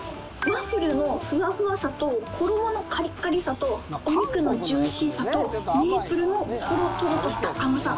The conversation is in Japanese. ワッフルのフワフワさと衣のカリカリさとお肉のジューシーさとメープルのトロトロとした甘さ